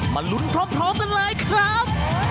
มาลุ้นพร้อมกันเลยครับ